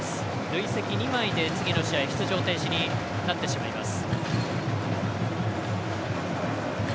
累積２枚で次の試合出場停止になってしまいます。